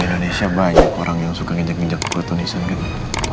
di indonesia banyak orang yang suka nginjak injak otorinisan gitu